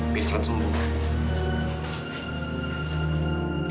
biar cepet sembuh